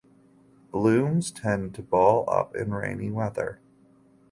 Blooms tend to ball up in rainy weather.